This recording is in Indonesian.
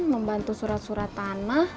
membantu surat surat tanah